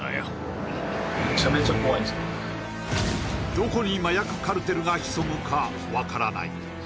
どこに麻薬カルテルが潜むか分からない